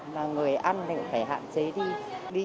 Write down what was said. và người ăn thì cũng phải hạn chế đi